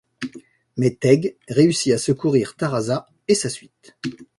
Mais Teg réussit à secourir Taraza et sa suite.